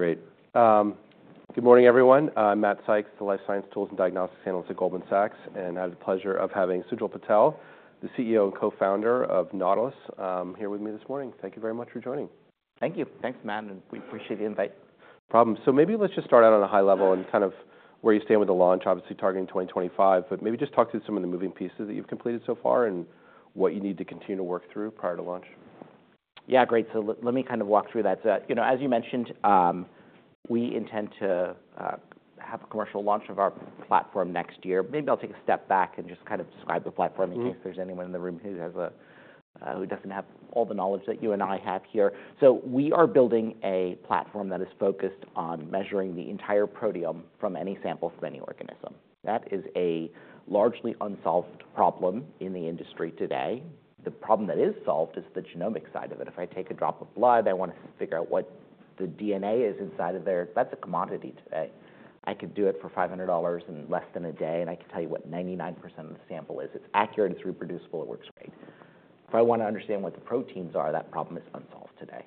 Great. Good morning, everyone. I'm Matt Sykes, the Life Science Tools and Diagnostics Analyst at Goldman Sachs, and I have the pleasure of having Sujal Patel, the CEO and Co-founder of Nautilus, here with me this morning. Thank you very much for joining. Thank you. Thanks, Matt, and we appreciate the invite. No problem. So maybe let's just start out on a high level and kind of where you stand with the launch, obviously targeting 2025, but maybe just talk through some of the moving pieces that you've completed so far and what you need to continue to work through prior to launch. Yeah, great. So let me kind of walk through that. So, you know, as you mentioned, we intend to have a commercial launch of our platform next year. Maybe I'll take a step back and just kind of describe the platform in case there's anyone in the room who doesn't have all the knowledge that you and I have here. So we are building a platform that is focused on measuring the entire proteome from any sample from any organism. That is a largely unsolved problem in the industry today. The problem that is solved is the genomic side of it. If I take a drop of blood, I wanna figure out what the DNA is inside of there. That's a commodity today. I could do it for $500 in less than a day, and I can tell you what 99% of the sample is. It's accurate, it's reproducible, it works great. If I wanna understand what the proteins are, that problem is unsolved today.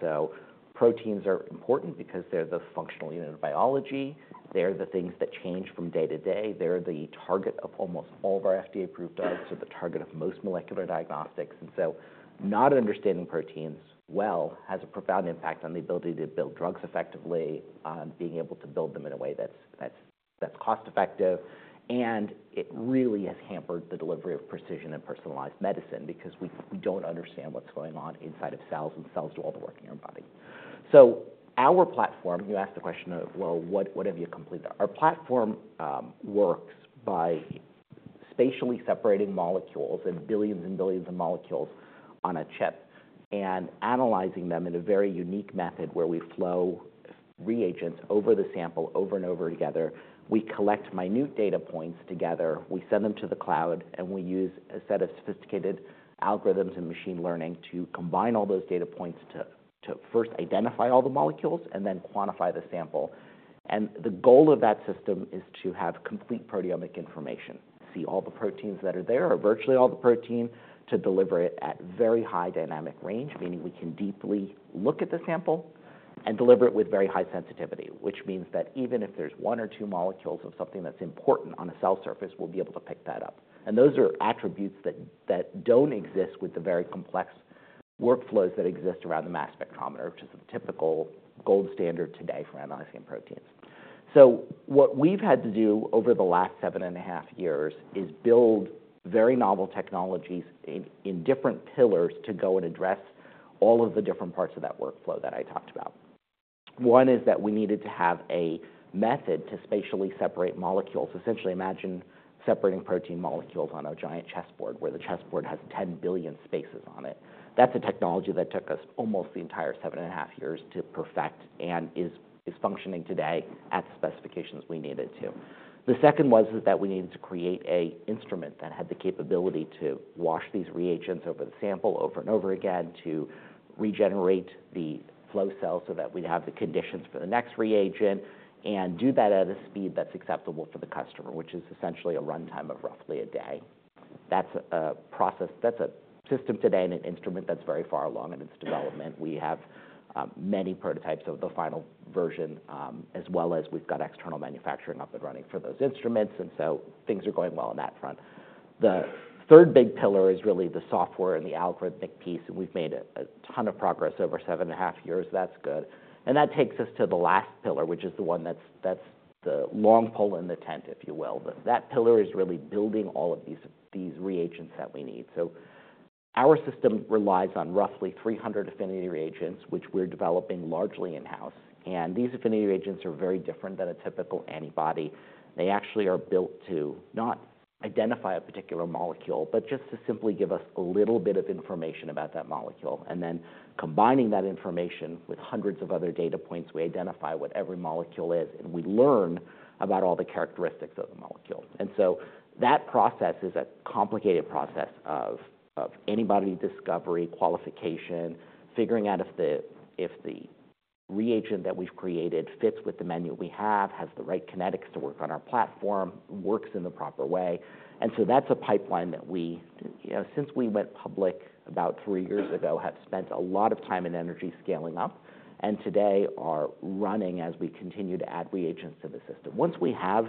So proteins are important because they're the functional unit of biology. They're the things that change from day to day. They're the target of almost all of our FDA-approved drugs. They're the target of most molecular diagnostics. So not understanding proteins well has a profound impact on the ability to build drugs effectively, on being able to build them in a way that's, that's, that's cost-effective. It really has hampered the delivery of precision and personalized medicine because we, we don't understand what's going on inside of cells, and cells do all the work in your body. So our platform, you asked the question of, well, what, what have you completed? Our platform works by spatially separating molecules and billions and billions of molecules on a chip and analyzing them in a very unique method where we flow reagents over the sample over and over together. We collect minute data points together. We send them to the cloud, and we use a set of sophisticated algorithms and machine learning to combine all those data points to first identify all the molecules and then quantify the sample. The goal of that system is to have complete proteomic information, see all the proteins that are there, or virtually all the protein, to deliver it at very high dynamic range, meaning we can deeply look at the sample and deliver it with very high sensitivity, which means that even if there's one or two molecules of something that's important on a cell surface, we'll be able to pick that up. Those are attributes that don't exist with the very complex workflows that exist around the mass spectrometer, which is the typical gold standard today for analyzing proteins. So what we've had to do over the last 7.5 years is build very novel technologies in different pillars to go and address all of the different parts of that workflow that I talked about. One is that we needed to have a method to spatially separate molecules. Essentially, imagine separating protein molecules on a giant chessboard where the chessboard has 10 billion spaces on it. That's a technology that took us almost the entire 7.5 years to perfect and is functioning today at the specifications we needed to. The second was that we needed to create an instrument that had the capability to wash these reagents over the sample over and over again, to regenerate the flow cell so that we'd have the conditions for the next reagent, and do that at a speed that's acceptable for the customer, which is essentially a runtime of roughly a day. That's a process, that's a system today and an instrument that's very far along in its development. We have many prototypes of the final version, as well as we've got external manufacturing up and running for those instruments, and so things are going well on that front. The third big pillar is really the software and the algorithmic piece, and we've made a ton of progress over seven and a half years. That's good. That takes us to the last pillar, which is the one that's, that's the long pole in the tent, if you will. That, that pillar is really building all of these, these reagents that we need. So our system relies on roughly 300 affinity reagents, which we're developing largely in-house. And these affinity reagents are very different than a typical antibody. They actually are built to not identify a particular molecule, but just to simply give us a little bit of information about that molecule. And then combining that information with hundreds of other data points, we identify what every molecule is, and we learn about all the characteristics of the molecule. And so that process is a complicated process of, of antibody discovery, qualification, figuring out if the, if the reagent that we've created fits with the menu we have, has the right kinetics to work on our platform, works in the proper way. And so that's a pipeline that we, you know, since we went public about three years ago, have spent a lot of time and energy scaling up, and today are running as we continue to add reagents to the system. Once we have,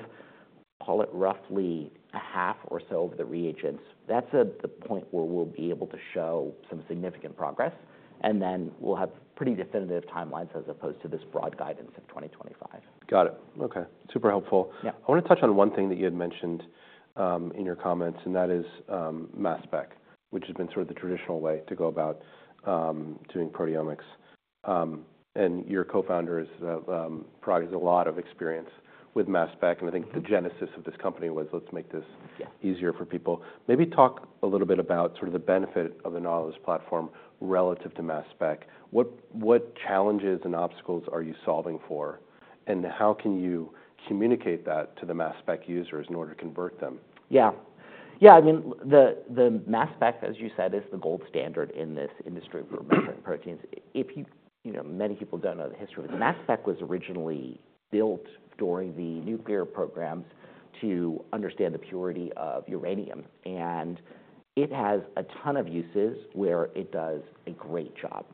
call it roughly a half or so of the reagents, that's at the point where we'll be able to show some significant progress, and then we'll have pretty definitive timelines as opposed to this broad guidance of 2025. Got it. Okay. Super helpful. Yeah. I wanna touch on one thing that you had mentioned, in your comments, and that is, mass spec, which has been sort of the traditional way to go about, doing proteomics. And your co-founder is, probably has a lot of experience with mass spec, and I think the genesis of this company was, "Let's make this. Yeah. Easier for people. Maybe talk a little bit about sort of the benefit of the Nautilus platform relative to mass spec. What, what challenges and obstacles are you solving for, and how can you communicate that to the mass spec users in order to convert them? Yeah. Yeah. I mean, the mass spec, as you said, is the gold standard in this industry for proteins. If you, you know, many people don't know the history of it. Mass spec was originally built during the nuclear programs to understand the purity of uranium, and it has a ton of uses where it does a great job.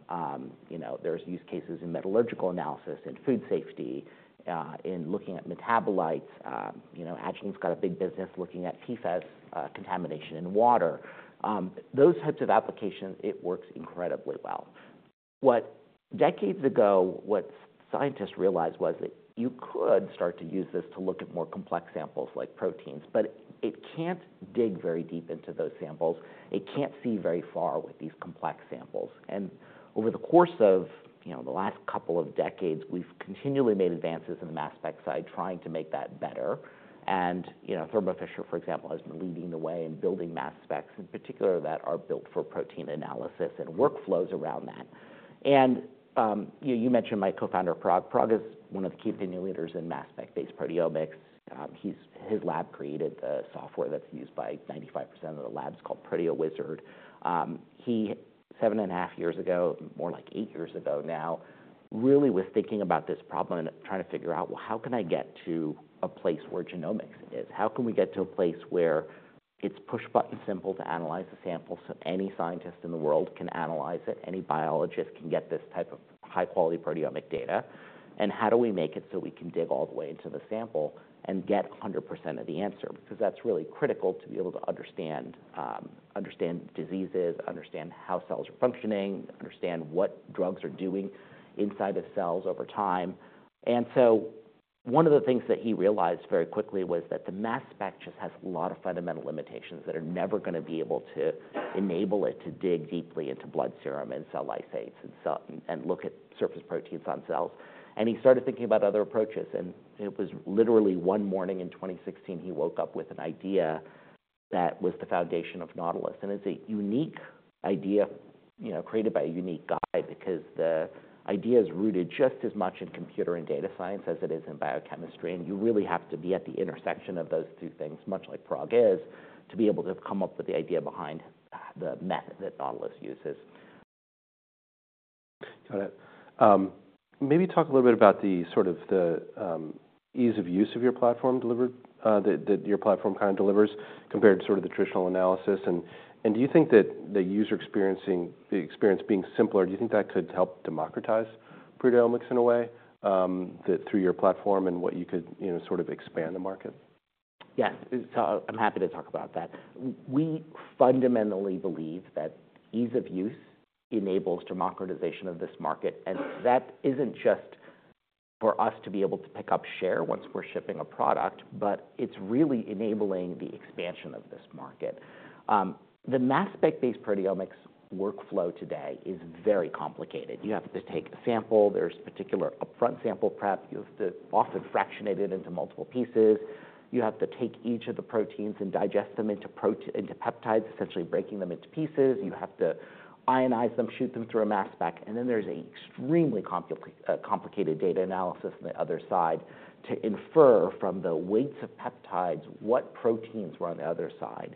You know, there's use cases in metallurgical analysis, in food safety, in looking at metabolites. You know, Amgen's got a big business looking at PFAS contamination in water. Those types of applications, it works incredibly well. Decades ago, what scientists realized was that you could start to use this to look at more complex samples like proteins, but it can't dig very deep into those samples. It can't see very far with these complex samples. And over the course of, you know, the last couple of decades, we've continually made advances in the mass spec side trying to make that better. And, you know, Thermo Fisher, for example, has been leading the way in building mass specs in particular that are built for protein analysis and workflows around that. And, you know, you mentioned my co-founder, Parag. Parag is one of the key opinion leaders in mass spec-based proteomics. He's, his lab created the software that's used by 95% of the labs called ProteoWizard. He, 7.5 years ago, more like 8 years ago now, really was thinking about this problem and trying to figure out, well, how can I get to a place where genomics is? How can we get to a place where it's push button simple to analyze the sample so any scientist in the world can analyze it, any biologist can get this type of high-quality proteomic data? And how do we make it so we can dig all the way into the sample and get 100% of the answer? Because that's really critical to be able to understand, understand diseases, understand how cells are functioning, understand what drugs are doing inside of cells over time. And so one of the things that he realized very quickly was that the mass spec just has a lot of fundamental limitations that are never gonna be able to enable it to dig deeply into blood serum and cell lysates and cell and look at surface proteins on cells. He started thinking about other approaches, and it was literally one morning in 2016, he woke up with an idea that was the foundation of Nautilus. And it's a unique idea, you know, created by a unique guy because the idea is rooted just as much in computer and data science as it is in biochemistry. And you really have to be at the intersection of those two things, much like Parag is, to be able to come up with the idea behind the method that Nautilus uses. Got it. Maybe talk a little bit about the sort of ease of use of your platform delivered, that your platform kind of delivers compared to sort of the traditional analysis. And do you think that the user experience being simpler, do you think that could help democratize proteomics in a way that through your platform and what you could, you know, sort of expand the market? Yes. So I'm happy to talk about that. We fundamentally believe that ease of use enables democratization of this market, and that isn't just for us to be able to pick up share once we're shipping a product, but it's really enabling the expansion of this market. The mass spec-based proteomics workflow today is very complicated. You have to take a sample. There's particular upfront sample prep. You have to often fractionate it into multiple pieces. You have to take each of the proteins and digest them into protein, into peptides, essentially breaking them into pieces. You have to ionize them, shoot them through a mass spec, and then there's an extremely complicated, complicated data analysis on the other side to infer from the weights of peptides what proteins were on the other side.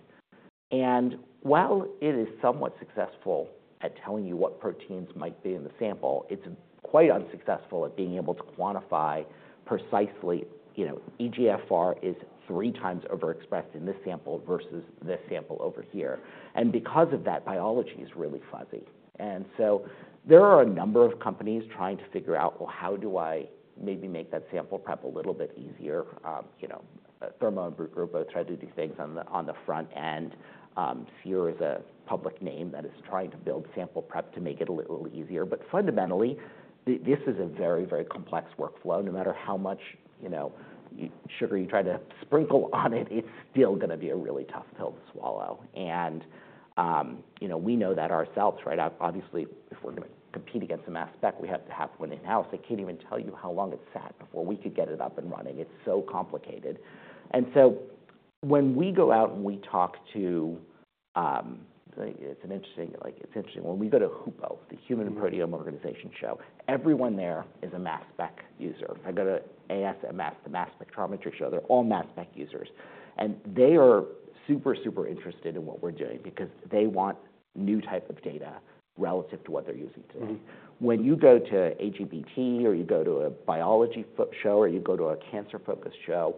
While it is somewhat successful at telling you what proteins might be in the sample, it's quite unsuccessful at being able to quantify precisely, you know, eGFR is 3x overexpressed in this sample versus this sample over here. And because of that, biology is really fuzzy. And so there are a number of companies trying to figure out, well, how do I maybe make that sample prep a little bit easier? You know, Thermo Fisher Scientific have tried to do things on the front end. Seer is a public name that is trying to build sample prep to make it a little easier. But fundamentally, this is a very, very complex workflow. No matter how much, you know, sugar you try to sprinkle on it, it's still gonna be a really tough pill to swallow. And, you know, we know that ourselves, right? Obviously, if we're gonna compete against a mass spec, we have to have one in-house. I can't even tell you how long it sat before we could get it up and running. It's so complicated. And so when we go out and we talk to, it's an interesting, like, it's interesting. When we go to HUPO, the Human Proteome Organization show, everyone there is a mass spec user. If I go to ASMS, the mass spectrometry show, they're all mass spec users. And they are super, super interested in what we're doing because they want a new type of data relative to what they're using today. When you go to AGBT or you go to a biology show or you go to a cancer-focused show,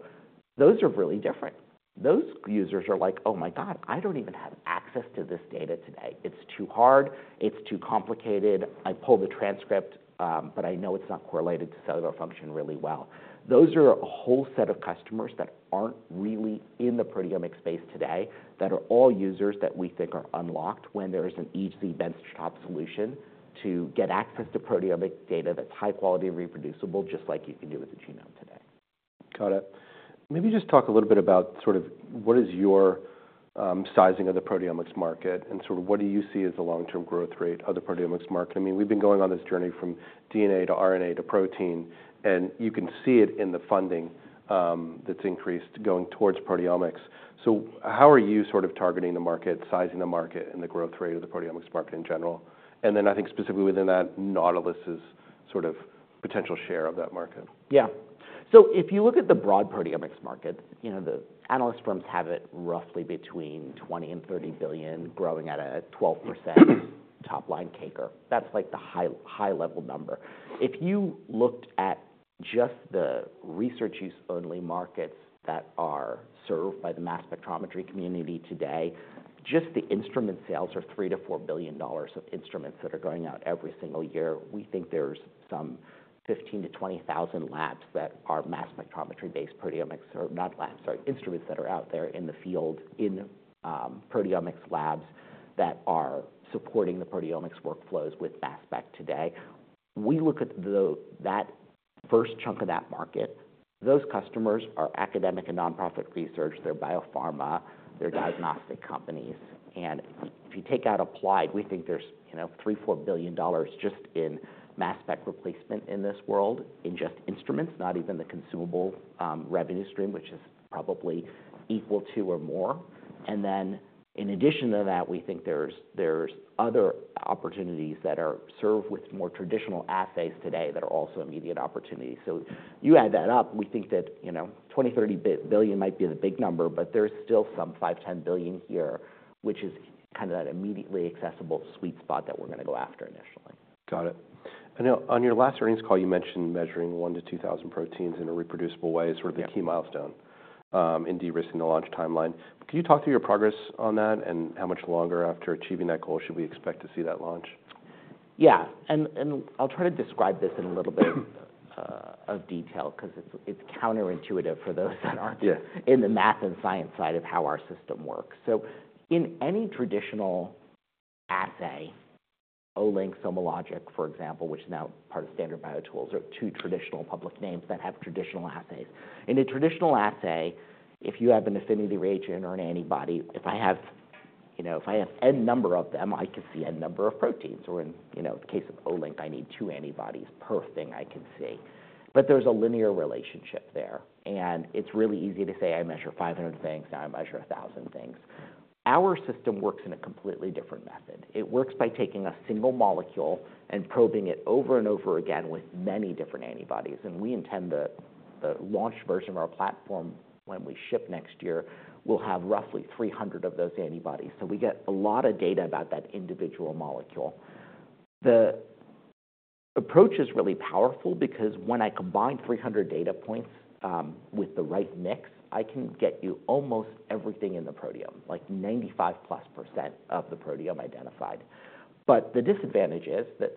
those are really different. Those users are like, "Oh my God, I don't even have access to this data today. It's too hard. It's too complicated. I pull the transcript, but I know it's not correlated to cellular function really well." Those are a whole set of customers that aren't really in the proteomic space today that are all users that we think are unlocked when there is an easy, benchtop solution to get access to proteomic data that's high quality and reproducible, just like you can do with a genome today. Got it. Maybe just talk a little bit about sort of what is your sizing of the proteomics market and sort of what do you see as the long-term growth rate of the proteomics market? I mean, we've been going on this journey from DNA to RNA to protein, and you can see it in the funding, that's increased going towards proteomics. So how are you sort of targeting the market, sizing the market, and the growth rate of the proteomics market in general? And then I think specifically within that, Nautilus's sort of potential share of that market. Yeah. So if you look at the broad proteomics market, you know, the analyst firms have it roughly between $20 billion and $30 billion, growing at a 12% top-line CAGR. That's like the high, high-level number. If you looked at just the research-use-only markets that are served by the mass spectrometry community today, just the instrument sales are $3-$4 billion of instruments that are going out every single year. We think there's some 15,000-20,000 labs that are mass spectrometry-based proteomics or not labs, sorry, instruments that are out there in the field, in, proteomics labs that are supporting the proteomics workflows with mass spec today. We look at the, that first chunk of that market, those customers are academic and nonprofit research. They're biopharma. They're diagnostic companies. If you take out applied, we think there's, you know, $3-$4 billion just in mass spec replacement in this world in just instruments, not even the consumable, revenue stream, which is probably equal to or more. Then in addition to that, we think there's other opportunities that are served with more traditional assays today that are also immediate opportunities. So you add that up, we think that, you know, $20-$30 billion might be the big number, but there's still some $5-$10 billion here, which is kind of that immediately accessible sweet spot that we're gonna go after initially. Got it. I know on your last earnings call, you mentioned measuring 1-2,000 proteins in a reproducible way is sort of the key milestone, in de-risking the launch timeline. Can you talk through your progress on that and how much longer after achieving that goal should we expect to see that launch? Yeah. And I'll try to describe this in a little bit of detail 'cause it's counterintuitive for those that aren't. Yeah. In the math and science side of how our system works. So in any traditional assay, Olink, SomaLogic, for example, which is now part of Standard BioTools, are two traditional public names that have traditional assays. In a traditional assay, if you have an affinity reagent or an antibody, if I have, you know, if I have n number of them, I can see n number of proteins. Or in, you know, the case of Olink, I need two antibodies per thing I can see. But there's a linear relationship there, and it's really easy to say, "I measure 500 things. Now I measure 1,000 things." Our system works in a completely different method. It works by taking a single molecule and probing it over and over again with many different antibodies. We intend the launch version of our platform when we ship next year, we'll have roughly 300 of those antibodies. So we get a lot of data about that individual molecule. The approach is really powerful because when I combine 300 data points, with the right mix, I can get you almost everything in the proteome, like 95%+ of the proteome identified. But the disadvantage is that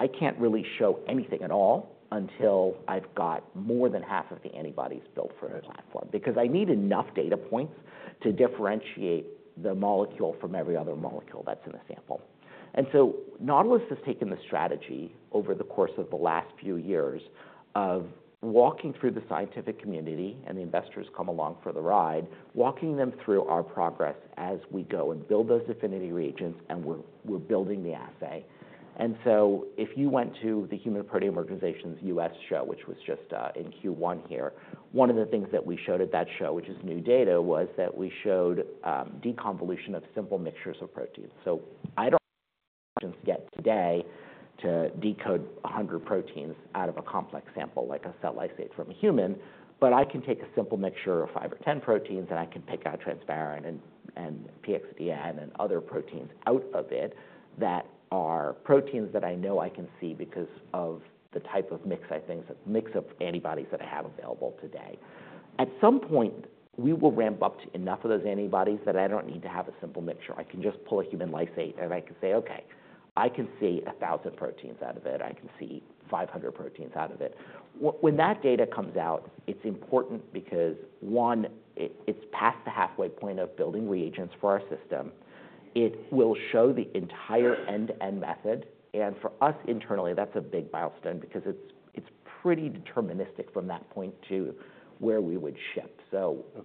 I can't really show anything at all until I've got more than half of the antibodies built for the platform because I need enough data points to differentiate the molecule from every other molecule that's in the sample. And so Nautilus has taken the strategy over the course of the last few years of walking through the scientific community and the investors come along for the ride, walking them through our progress as we go and build those affinity reagents, and we're building the assay. And so if you went to the Human Proteome Organization's US show, which was just in Q1 here, one of the things that we showed at that show, which is new data, was that we showed deconvolution of simple mixtures of proteins. So I don't have the options yet today to decode 100 proteins out of a complex sample like a cell lysate from a human, but I can take a simple mixture of five or ten proteins and I can pick out transferrin and, and PXDN and other proteins out of it that are proteins that I know I can see because of the type of mix I think, the mix of antibodies that I have available today. At some point, we will ramp up to enough of those antibodies that I don't need to have a simple mixture. I can just pull a human lysate and I can say, "Okay, I can see 1,000 proteins out of it. I can see 500 proteins out of it." When that data comes out, it's important because one, it's past the halfway point of building reagents for our system. It will show the entire end-to-end method. For us internally, that's a big milestone because it's pretty deterministic from that point to where we would ship.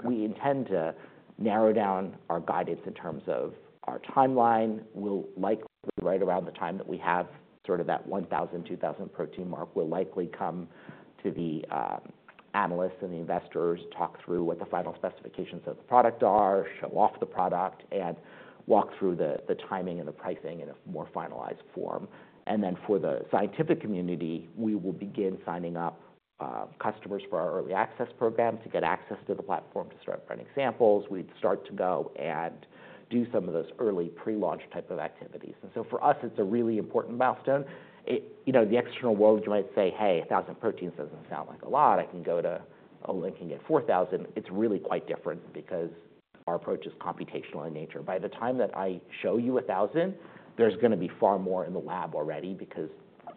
We intend to narrow down our guidance in terms of our timeline. We'll likely, right around the time that we have sort of that 1,000, 2,000 protein mark, we'll likely come to the analysts and the investors, talk through what the final specifications of the product are, show off the product, and walk through the timing and the pricing in a more finalized form. Then for the scientific community, we will begin signing up customers for our early access program to get access to the platform to start running samples. We'd start to go and do some of those early pre-launch type of activities. For us, it's a really important milestone. You know, the external world, you might say, "Hey, 1,000 proteins doesn't sound like a lot. I can go to Olink and get 4,000." It's really quite different because our approach is computational in nature. By the time that I show you 1,000, there's gonna be far more in the lab already because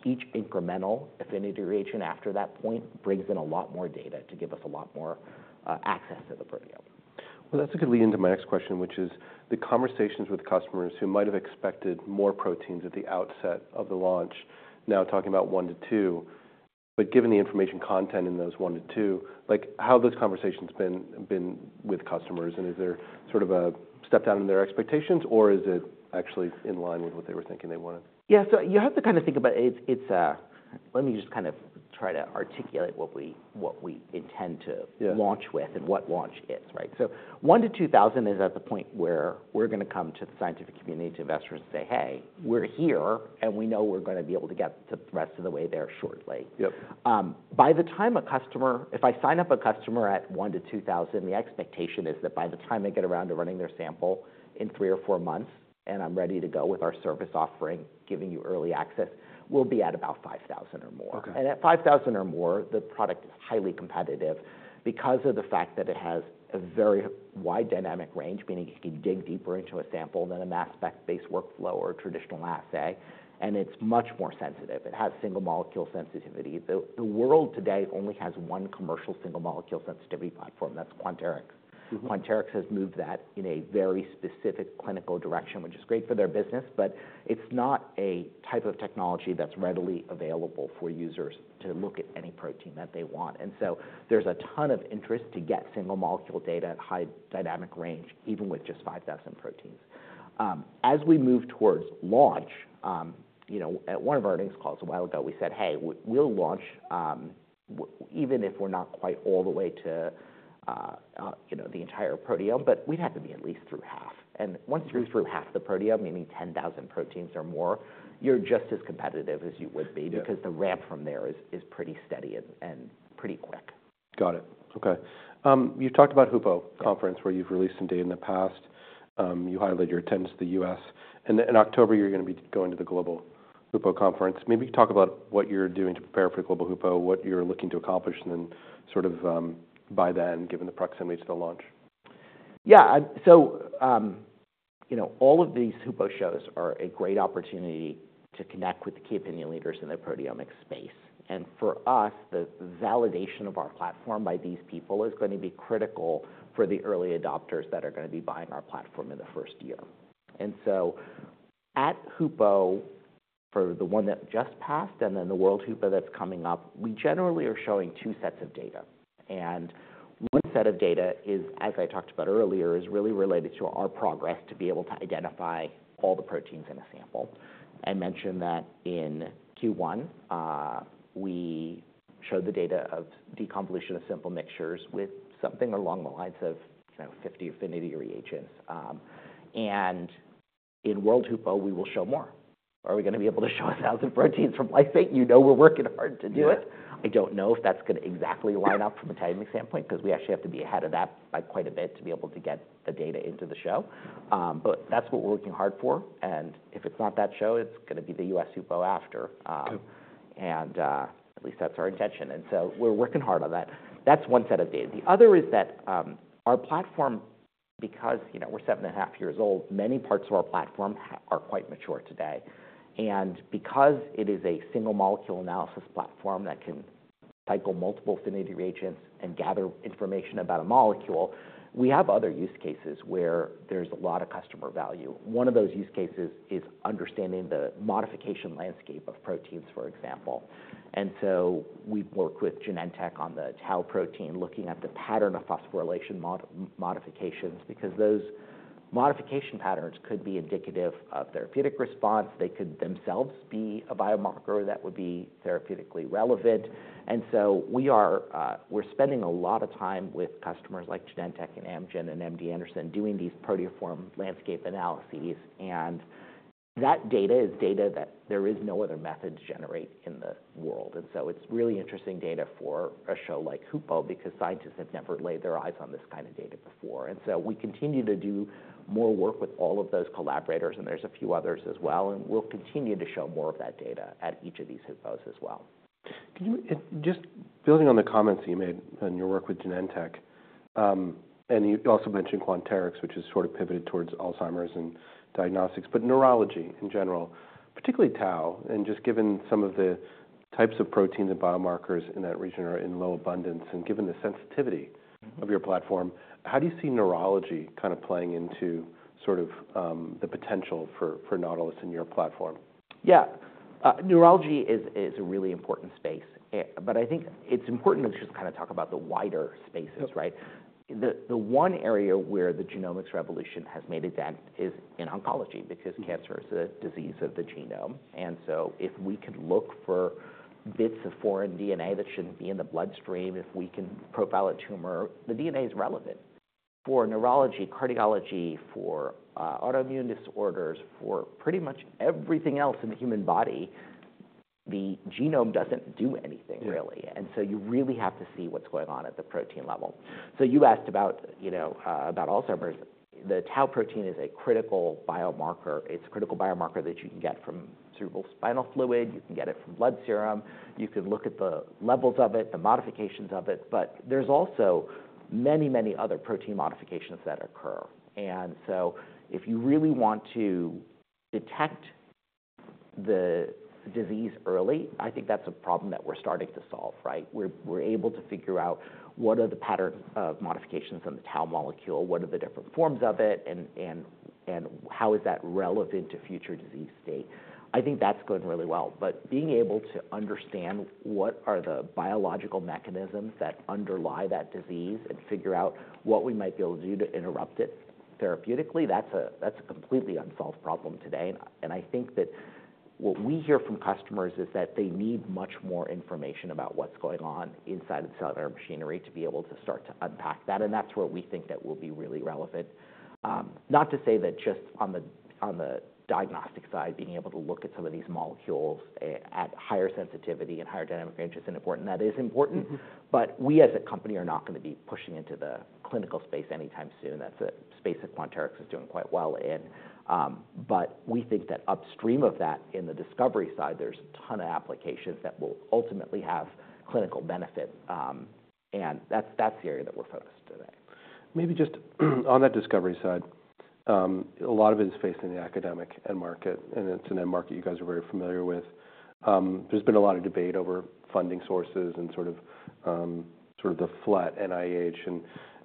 each incremental affinity reagent after that point brings in a lot more data to give us a lot more, access to the proteome. Well, that's a good lead into my next question, which is the conversations with customers who might've expected more proteins at the outset of the launch, now talking about 1-2. But given the information content in those 1-2, like how have those conversations been with customers? And is there sort of a step down in their expectations or is it actually in line with what they were thinking they wanted? Yeah. So you have to kind of think about it. It's, let me just kind of try to articulate what we intend to launch with and what launch is, right? So 1-2,000 is at the point where we're gonna come to the scientific community, to investors and say, "Hey, we're here and we know we're gonna be able to get to the rest of the way there shortly. Yep. By the time a customer, if I sign up a customer at 1-2,000, the expectation is that by the time I get around to running their sample in three or four months and I'm ready to go with our service offering, giving you early access, we'll be at about 5,000 or more. Okay. At 5,000 or more, the product is highly competitive because of the fact that it has a very wide dynamic range, meaning it can dig deeper into a sample than a mass spec-based workflow or a traditional assay, and it's much more sensitive. It has single molecule sensitivity. The world today only has one commercial single molecule sensitivity platform. That's Quanterix. Mm-hmm. Quanterix has moved that in a very specific clinical direction, which is great for their business, but it's not a type of technology that's readily available for users to look at any protein that they want. And so there's a ton of interest to get single molecule data at high dynamic range, even with just 5,000 proteins. As we move towards launch, you know, at one of our earnings calls a while ago, we said, "Hey, we'll launch, even if we're not quite all the way to, you know, the entire proteome, but we'd have to be at least through half." And once you're through half the proteome, meaning 10,000 proteins or more, you're just as competitive as you would be because the ramp from there is pretty steady and pretty quick. Got it. Okay. You've talked about HUPO conference where you've released indeed in the past. You highlighted your attendance to the U.S. In October, you're gonna be going to the global HUPO conference. Maybe you can talk about what you're doing to prepare for the global HUPO, what you're looking to accomplish, and then sort of, by then, given the proximity to the launch. Yeah. So, you know, all of these HUPO shows are a great opportunity to connect with the key opinion leaders in the proteomic space. And for us, the, the validation of our platform by these people is gonna be critical for the early adopters that are gonna be buying our platform in the first year. And so at HUPO, for the one that just passed and then the world HUPO that's coming up, we generally are showing two sets of data. And one set of data is, as I talked about earlier, is really related to our progress to be able to identify all the proteins in a sample. I mentioned that in Q1, we showed the data of deconvolution of simple mixtures with something along the lines of, you know, 50 affinity reagents. And in world HUPO, we will show more. Are we gonna be able to show 1000 proteins from lysate? You know, we're working hard to do it. I don't know if that's gonna exactly line up from a timing standpoint 'cause we actually have to be ahead of that by quite a bit to be able to get the data into the show. But that's what we're working hard for. And if it's not that show, it's gonna be the US HUPO after. And, at least that's our intention. And so we're working hard on that. That's one set of data. The other is that, our platform, because, you know, we're 7.5 years old, many parts of our platform are quite mature today. Because it is a single molecule analysis platform that can cycle multiple affinity reagents and gather information about a molecule, we have other use cases where there's a lot of customer value. One of those use cases is understanding the modification landscape of proteins, for example. And so we've worked with Genentech on the Tau protein, looking at the pattern of phosphorylation modifications because those modification patterns could be indicative of therapeutic response. They could themselves be a biomarker that would be therapeutically relevant. And so we are, we're spending a lot of time with customers like Genentech and Amgen and MD Anderson doing these proteoform landscape analyses. And that data is data that there is no other method to generate in the world. And so it's really interesting data for a show like HUPO because scientists have never laid their eyes on this kind of data before. So we continue to do more work with all of those collaborators, and there's a few others as well. We'll continue to show more of that data at each of these HUPOs as well. Can you, just building on the comments that you made on your work with Genentech, and you also mentioned Quanterix, which is sort of pivoted towards Alzheimer's and diagnostics, but neurology in general, particularly tau, and just given some of the types of proteins and biomarkers in that region are in low abundance. Given the sensitivity of your platform, how do you see neurology kind of playing into sort of, the potential for, for Nautilus in your platform? Yeah. Neurology is a really important space, but I think it's important to just kind of talk about the wider spaces, right? The one area where the genomics revolution has made a dent is in oncology because cancer is a disease of the genome. And so if we could look for bits of foreign DNA that shouldn't be in the bloodstream, if we can profile a tumor, the DNA is relevant for neurology, cardiology, for autoimmune disorders, for pretty much everything else in the human body. The genome doesn't do anything really. And so you really have to see what's going on at the protein level. So you asked about, you know, about Alzheimer's. The Tau protein is a critical biomarker. It's a critical biomarker that you can get from cerebrospinal fluid. You can get it from blood serum. You can look at the levels of it, the modifications of it, but there's also many, many other protein modifications that occur. And so if you really want to detect the disease early, I think that's a problem that we're starting to solve, right? We're able to figure out what are the patterns of modifications in the tau molecule, what are the different forms of it, and how is that relevant to future disease state. I think that's going really well. But being able to understand what are the biological mechanisms that underlie that disease and figure out what we might be able to do to interrupt it therapeutically, that's a completely unsolved problem today. I think that what we hear from customers is that they need much more information about what's going on inside of the cellular machinery to be able to start to unpack that. And that's where we think that will be really relevant. Not to say that just on the, on the diagnostic side, being able to look at some of these molecules at higher sensitivity and higher dynamic range isn't important. That is important, but we as a company are not gonna be pushing into the clinical space anytime soon. That's a space that Quanterix is doing quite well in. But we think that upstream of that, in the discovery side, there's a ton of applications that will ultimately have clinical benefit. And that's, that's the area that we're focused today. Maybe just on that discovery side, a lot of it is facing the academic end market, and it's an end market you guys are very familiar with. There's been a lot of debate over funding sources and sort of, sort of the flat NIH. And,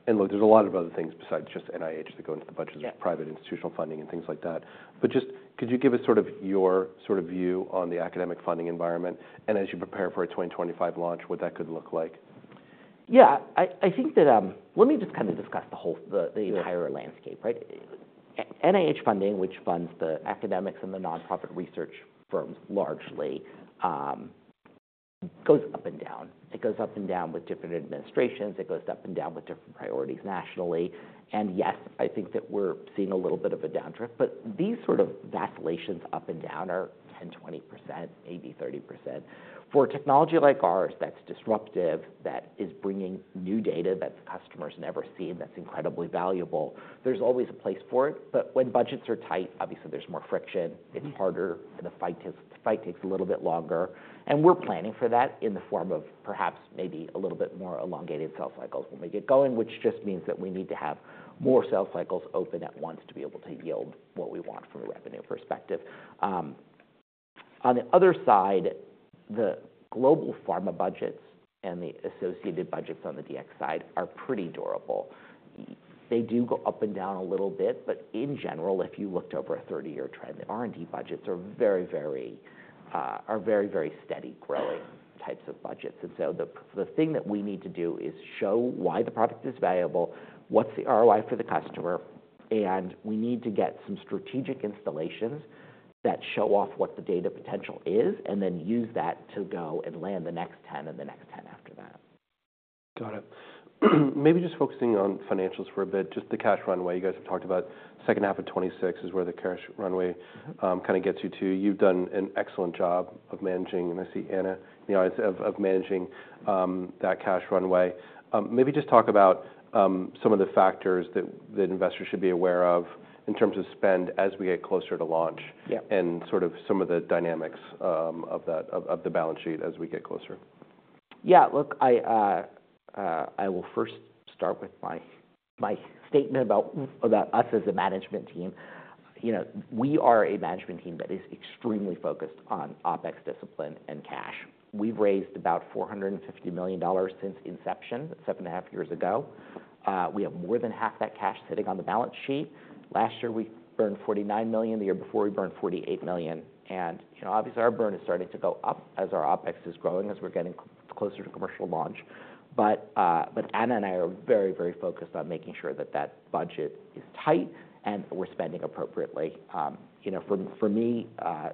and look, there's a lot of other things besides just NIH that go into the budgets of private institutional funding and things like that. But just could you give us sort of your sort of view on the academic funding environment and as you prepare for a 2025 launch, what that could look like? Yeah. I think that, let me just kind of discuss the whole, the entire landscape, right? NIH funding, which funds the academics and the nonprofit research firms largely, goes up and down. It goes up and down with different administrations. It goes up and down with different priorities nationally. And yes, I think that we're seeing a little bit of a downturn, but these sort of vacillations up and down are 10%, 20%, maybe 30%. For technology like ours that's disruptive, that is bringing new data that the customer's never seen, that's incredibly valuable, there's always a place for it. But when budgets are tight, obviously there's more friction. It's harder and the fight takes a little bit longer. We're planning for that in the form of perhaps maybe a little bit more elongated sales cycles when we get going, which just means that we need to have more sales cycles open at once to be able to yield what we want from a revenue perspective. On the other side, the global pharma budgets and the associated budgets on the DX side are pretty durable. They do go up and down a little bit, but in general, if you looked over a 30-year trend, the R&D budgets are very, very steady growing types of budgets. And so the thing that we need to do is show why the product is valuable, what's the ROI for the customer, and we need to get some strategic installations that show off what the data potential is and then use that to go and land the next 10 and the next 10 after that. Got it. Maybe just focusing on financials for a bit, just the cash runway. You guys have talked about second half of 2026 is where the cash runway, kind of gets you to. You've done an excellent job of managing, and I see Anna, you know, as of managing that cash runway. Maybe just talk about some of the factors that investors should be aware of in terms of spend as we get closer to launch. Yeah. Sort of some of the dynamics of that of the balance sheet as we get closer. Yeah. Look, I will first start with my statement about us as a management team. You know, we are a management team that is extremely focused on OpEx discipline and cash. We've raised about $450 million since inception seven and a half years ago. We have more than half that cash sitting on the balance sheet. Last year, we burned $49 million. The year before, we burned $48 million. And, you know, obviously our burn is starting to go up as our OpEx is growing as we're getting closer to commercial launch. But Anna and I are very, very focused on making sure that budget is tight and we're spending appropriately. You know, for me,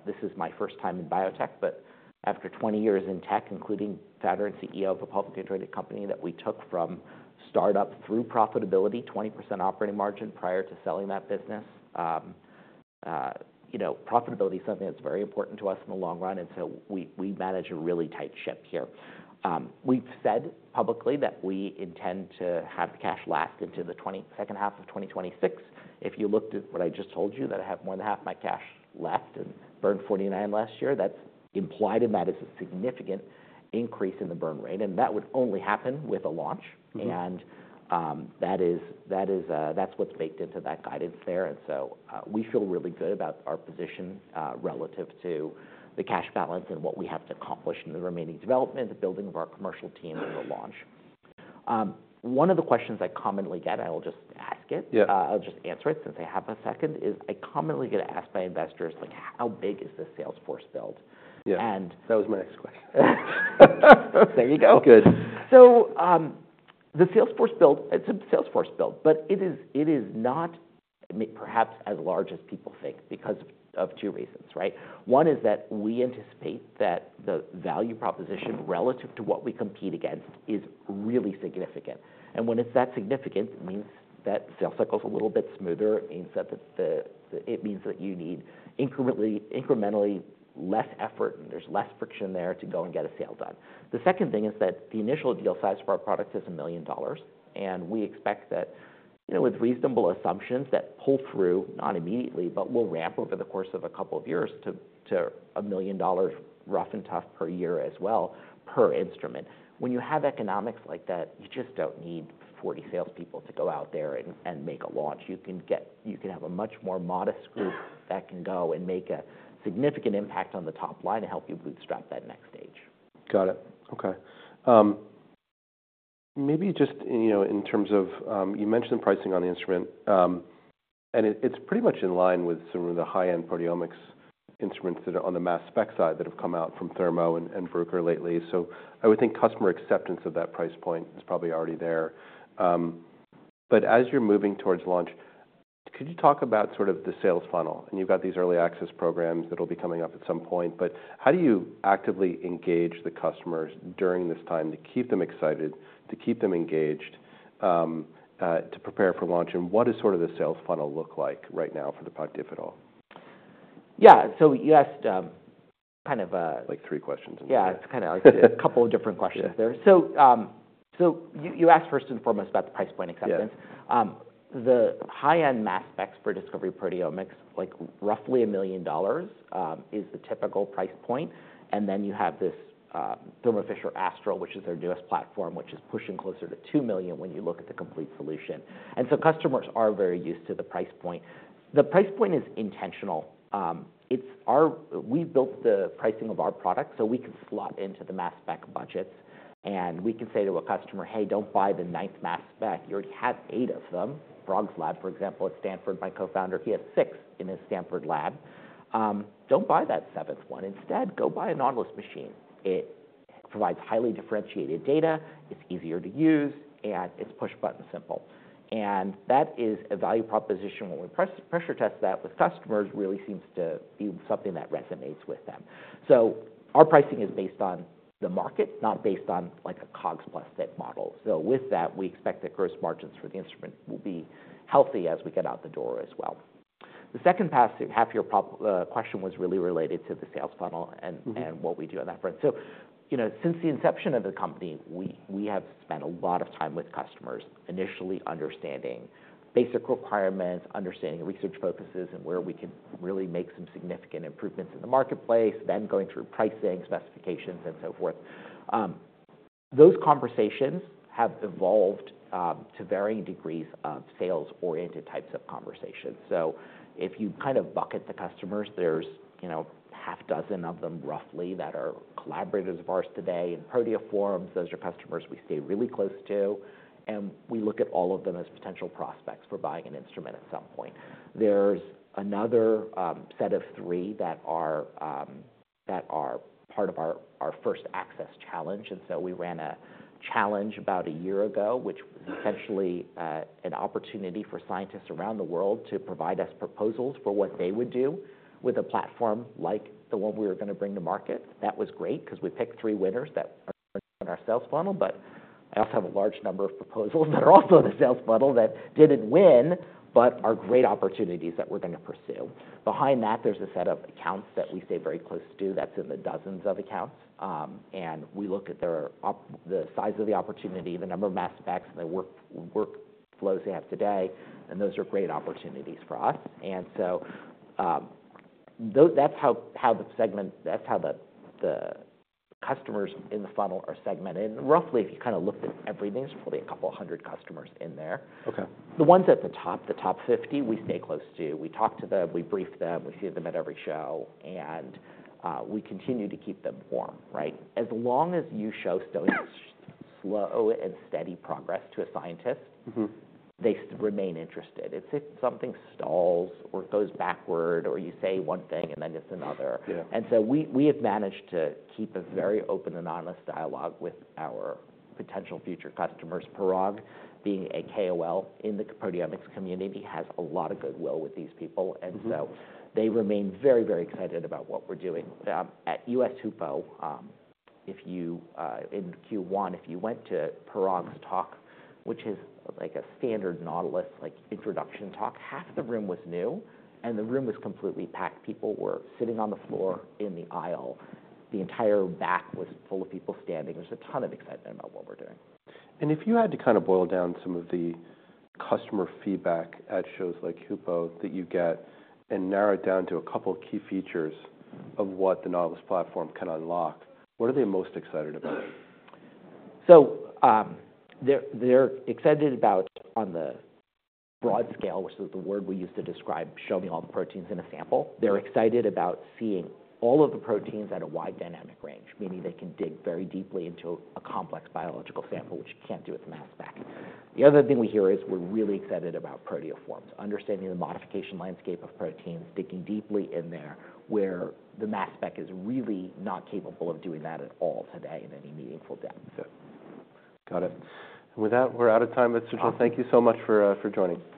this is my first time in biotech, but after 20 years in tech, including founder and CEO of a publicly traded company that we took from startup through profitability, 20% operating margin prior to selling that business, you know, profitability is something that's very important to us in the long run. So we manage a really tight ship here. We've said publicly that we intend to have the cash last into the second half of 2026. If you looked at what I just told you, that I have more than half my cash left and burned $49 million last year, that's implied in that is a significant increase in the burn rate. And that is what's baked into that guidance there. And so, we feel really good about our position, relative to the cash balance and what we have to accomplish in the remaining development, the building of our commercial team and the launch. One of the questions I commonly get, I'll just ask it. Yeah. I'll just answer it since I have a second. I commonly get asked by investors, like, how big is the sales force build? Yeah. And. That was my next question. There you go. Good. So, the sales force build, it's a sales force build, but it is not perhaps as large as people think because of two reasons, right? One is that we anticipate that the value proposition relative to what we compete against is really significant. And when it's that significant, it means that sales cycle's a little bit smoother. It means that the it means that you need incrementally less effort and there's less friction there to go and get a sale done. The second thing is that the initial deal size for our product is $1 million. And we expect that, you know, with reasonable assumptions that pull through not immediately, but will ramp over the course of a couple of years to $1 million rough and tough per year as well per instrument. When you have economics like that, you just don't need 40 salespeople to go out there and make a launch. You can have a much more modest group that can go and make a significant impact on the top line and help you bootstrap that next stage. Got it. Okay. Maybe just, you know, in terms of, you mentioned the pricing on the instrument, and it's pretty much in line with some of the high-end proteomics instruments that are on the mass spec side that have come out from Thermo and, and Bruker lately. So I would think customer acceptance of that price point is probably already there. But as you're moving towards launch, could you talk about sort of the sales funnel? And you've got these early access programs that'll be coming up at some point, but how do you actively engage the customers during this time to keep them excited, to keep them engaged, to prepare for launch? And what does sort of the sales funnel look like right now for the product, if at all? Yeah. So you asked, kind of a. Like 3 questions in there. Yeah. It's kind of like a couple of different questions there. So you asked first and foremost about the price point acceptance. Yeah. The high-end mass specs for discovery proteomics, like roughly $1 million, is the typical price point. Then you have this, Thermo Fisher Astral, which is their newest platform, which is pushing closer to $2 million when you look at the complete solution. So customers are very used to the price point. The price point is intentional. It's our, we built the pricing of our product so we can slot into the mass spec budgets. We can say to a customer, "Hey, don't buy the 9th mass spec. You already have eight of them." Parag's lab, for example, at Stanford, my co-founder, he has six in his Stanford lab. Don't buy that 7th one. Instead, go buy a Nautilus machine. It provides highly differentiated data. It's easier to use, and it's push button simple. That is a value proposition. When we pressure test that with customers, really seems to be something that resonates with them. So our pricing is based on the market, not based on like a COGS Plus type model. So with that, we expect that gross margins for the instrument will be healthy as we get out the door as well. The second part of your question was really related to the sales funnel and what we do on that front. So, you know, since the inception of the company, we have spent a lot of time with customers initially understanding basic requirements, understanding research focuses, and where we can really make some significant improvements in the marketplace, then going through pricing, specifications, and so forth. Those conversations have evolved to varying degrees of sales-oriented types of conversations. So if you kind of bucket the customers, there's, you know, half dozen of them roughly that are collaborators of ours today in proteoforms. Those are customers we stay really close to, and we look at all of them as potential prospects for buying an instrument at some point. There's another set of three that are part of our First Access Challenge. So we ran a challenge about a year ago, which was essentially an opportunity for scientists around the world to provide us proposals for what they would do with a platform like the one we were gonna bring to market. That was great 'cause we picked three winners that are in our sales funnel, but I also have a large number of proposals that are also in the sales funnel that didn't win, but are great opportunities that we're gonna pursue. Behind that, there's a set of accounts that we stay very close to that's in the dozens of accounts. And we look at their, the size of the opportunity, the number of mass specs, and the work, workflows they have today, and those are great opportunities for us. And so, though that's how, how the segment, that's how the, the customers in the funnel are segmented. And roughly, if you kind of looked at everything, there's probably a couple hundred customers in there. Okay. The ones at the top, the top 50, we stay close to. We talk to them, we brief them, we see them at every show, and we continue to keep them warm, right? As long as you show so slow and steady progress to a scientist. Mm-hmm. They remain interested. It's if something stalls or goes backward or you say one thing and then it's another. Yeah. And so we have managed to keep a very open and honest dialogue with our potential future customers. Parag, being a KOL in the proteomics community, has a lot of goodwill with these people. They remain very, very excited about what we're doing. At U.S. HUPO, in Q1, if you went to Parag's talk, which is like a standard Nautilus like introduction talk, half the room was new and the room was completely packed. People were sitting on the floor in the aisle. The entire back was full of people standing. There's a ton of excitement about what we're doing. If you had to kind of boil down some of the customer feedback at shows like HUPO that you get and narrow it down to a couple key features of what the Nautilus platform can unlock, what are they most excited about? So, they're excited about on the broad scale, which is the word we use to describe showing all the proteins in a sample. They're excited about seeing all of the proteins at a wide dynamic range, meaning they can dig very deeply into a complex biological sample, which you can't do with mass spec. The other thing we hear is we're really excited about proteoforms, understanding the modification landscape of proteins, digging deeply in there where the mass spec is really not capable of doing that at all today in any meaningful depth. Yeah. Got it. And with that, we're out of time. Mr. Patel, thank you so much for joining.